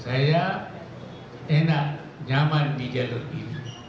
saya enak nyaman di jalur ini